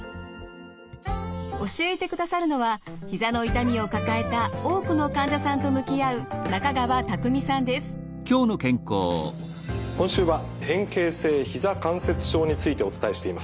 教えてくださるのはひざの痛みを抱えた多くの患者さんと向き合う今週は変形性ひざ関節症についてお伝えしています。